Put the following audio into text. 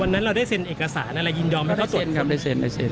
เราได้เซ็นเอกสารอะไรยินยอมให้เขาเซ็นครับได้เซ็นได้เซ็น